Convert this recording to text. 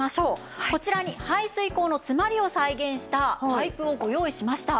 こちらに排水口の詰まりを再現したパイプをご用意しました。